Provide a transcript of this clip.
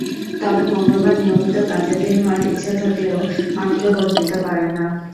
তবে মঙ্গলবার নিয়মিত কাজের দিন হওয়ায় ইচ্ছা থাকলেও অনেকে ভোট দিতে পারেন না।